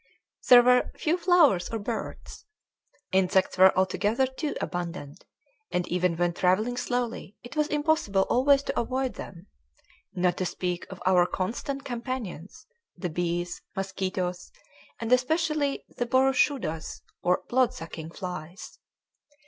There were few flowers or birds. Insects were altogether too abundant, and even when travelling slowly it was impossible always to avoid them not to speak of our constant companions the bees, mosquitoes, and especially the boroshudas or bloodsucking flies.